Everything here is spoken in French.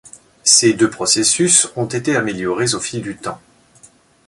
Ces deux processus ont été améliorés au fil du temps.